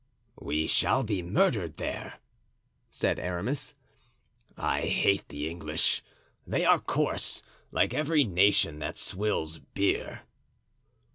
"We shall be murdered there," said Aramis. "I hate the English—they are coarse, like every nation that swills beer."